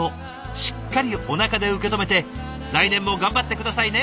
しっかりおなかで受け止めて来年も頑張って下さいね！